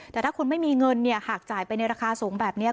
แต่ถ้าคุณไม่มีเงินหากจ่ายไปในราคาสูงแบบนี้